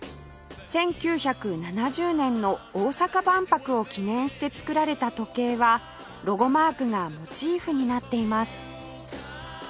１９７０年の大阪万博を記念して作られた時計はロゴマークがモチーフになっています